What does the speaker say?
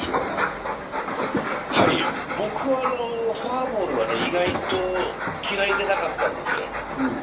僕はフォアボールは意外と嫌いでなかったんですよ。